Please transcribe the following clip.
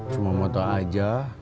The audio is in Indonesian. cuma mau tau aja